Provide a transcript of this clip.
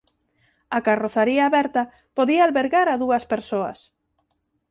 A carrozaría aberta podía albergar a dúas persoas.